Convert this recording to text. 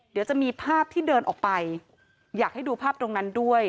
เดี๋ยวจะมีภาพที่เดินออกไปอยากให้ดูภาพตรงนั้นด้วย